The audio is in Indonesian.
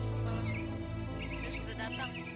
kepala suku saya sudah datang